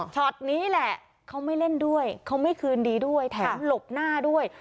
ช็อตนี้แหละเขาไม่เล่นด้วยเขาไม่คืนดีด้วยแถมหลบหน้าด้วย